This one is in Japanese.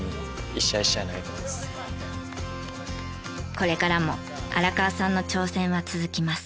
これからも荒川さんの挑戦は続きます。